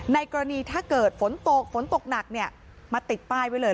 ในกรณีถ้าเกิดฝนตกฝนตกหนักเนี่ยมาติดป้ายไว้เลย